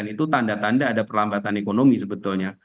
itu tanda tanda ada perlambatan ekonomi sebetulnya